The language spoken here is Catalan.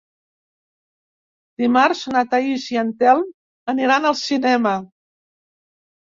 Dimarts na Thaís i en Telm aniran al cinema.